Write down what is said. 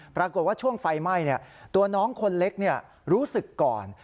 ปรากฏว่าช่วงไฟไหม้ตัวน้องคนเล็กรู้สึกก่อน